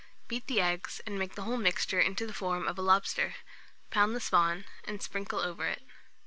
Beat the eggs, and make the whole mixture into the form of a lobster; pound the spawn, and sprinkle over it.